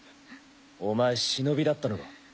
お前忍だったのか？